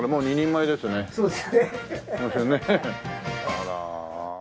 あら。